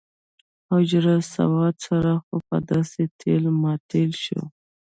حجر اسود سره خو به داسې ټېل ماټېل شو.